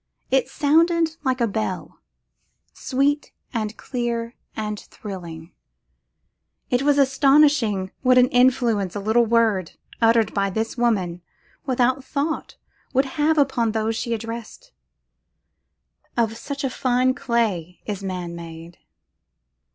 It sounded like a bell, sweet and clear and thrilling; it was astonishing what influence a little word, uttered by this woman, without thought, would have upon those she addressed. Of such fine clay is man made.